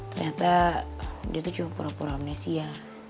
ternyata dia tuh cuma pura pura amnesia